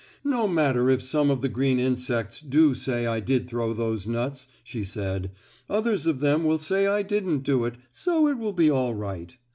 "No matter if some of the green insects do say I did throw those nuts," she said, "others of them will say I didn't do it, so it will be all right."